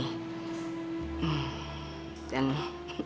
dan saya sebenarnya malu